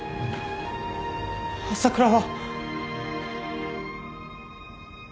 朝倉は。